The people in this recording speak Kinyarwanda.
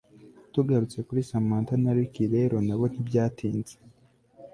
Tugarutse kuri Samantha na Ricky rero nabo ntibyatinze